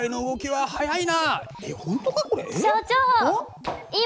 はい。